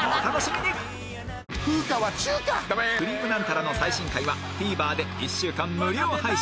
『くりぃむナンタラ』の最新回は ＴＶｅｒ で１週間無料配信